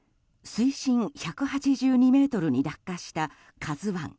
水深１８２ｍに落下した「ＫＡＺＵ１」。